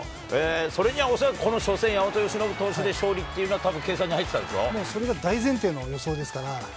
それには恐らくこの初戦、山本由伸投手で勝利っていうのは、それが大前提の予想ですから。